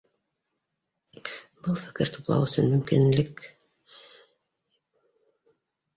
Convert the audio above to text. Был фекер туплау өсөн мөмкинлек ипрср